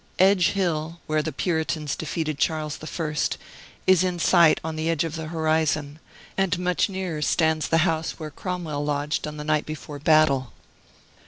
Edge Hill, where the Puritans defeated Charles I., is in sight on the edge of the horizon, and much nearer stands the house where Cromwell lodged on the night before the battle.